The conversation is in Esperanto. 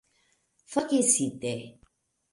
Forgesite...